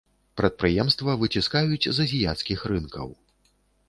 Прадпрыемства выціскаюць з азіяцкіх рынкаў.